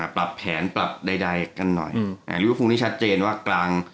ปรับแผนปรับใดกันหน่อยอย่างลิวฟูนี่ชัดเจนว่ากลาง